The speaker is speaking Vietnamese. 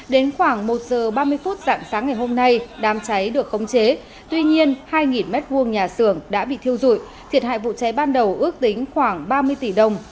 đến khoảng một giờ ba mươi phút dạng sáng ngày hôm nay đám cháy được khống chế tuy nhiên hai m hai nhà xưởng đã bị thiêu dụi thiệt hại vụ cháy ban đầu ước tính khoảng ba mươi tỷ đồng